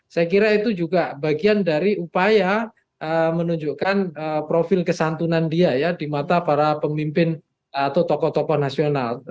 saya kira itu juga bagian dari upaya menunjukkan profil kesantunan dia ya di mata para pemimpin atau tokoh tokoh nasional